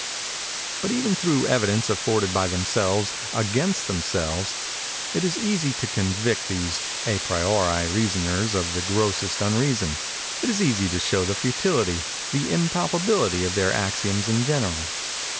"But, even through evidence afforded by themselves against themselves, it is easy to convict these à priori reasoners of the grossest unreason—it is easy to show the futility—the impalpability of their axioms in general.